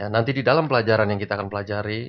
nanti di dalam pelajaran yang kita akan pelajari